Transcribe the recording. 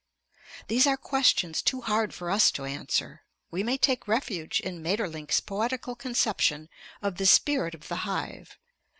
These are questions too hard for us to answer. We may take refuge in Maeterlinck's poetical conception of the "spirit of the hive."